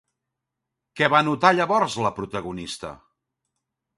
Què va notar llavors la protagonista?